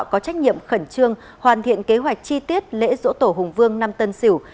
có trách nhiệm khẩn trương hoàn thiện kế hoạch chi tiết lễ dỗ tổ hùng vương năm tân sửu